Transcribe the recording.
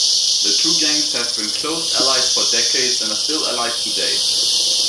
The two gangs have been close allies for decades and are still allied today.